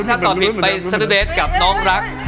ถ้าตอบผิดไปใดเดียวกับน้องภรรก